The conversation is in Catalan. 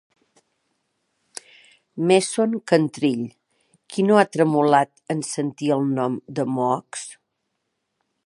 Meshon Cantrill, Qui no ha tremolat en sentir el nom de Mohocks?